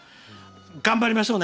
頑張りましょうね。